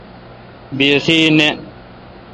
بیہی نہ۔